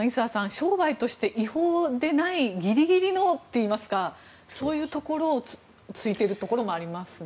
商売として違法でないギリギリのといいますかそういうところを突いているところもありますね。